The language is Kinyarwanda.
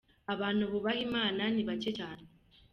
Abantu bubaha imana ni bake cyane.